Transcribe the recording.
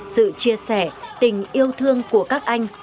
sự chia sẻ tình yêu thương của các anh